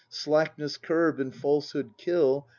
Slackness curb and falsehood kill.